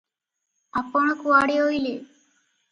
ଆପଣ କୁଆଡେ ଅଇଲେ?